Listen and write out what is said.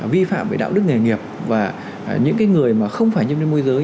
vi phạm về đạo đức nghề nghiệp và những người mà không phải nhân viên môi giới